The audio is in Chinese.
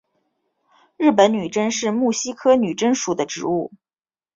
日本女贞是木犀科女贞属的植物。